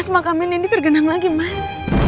mas makam nindi terkenang lagi mas